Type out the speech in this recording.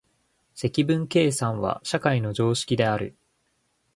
積分計算は社会の常識である。